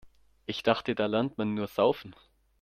Ich dachte, da lernt man nur Saufen.